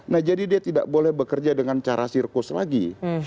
nah jadi dia tidak boleh bekerja dengan cara sirkus lagi